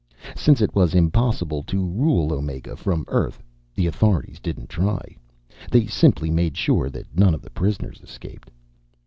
Since it was impossible to rule Omega from Earth, the authorities didn't try. They simply made sure that none of the prisoners escaped.